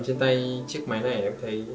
trên tay chiếc máy này em thấy